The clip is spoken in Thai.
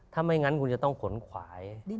ถ้าไม่งั้นคุณจะต้องขนขวาย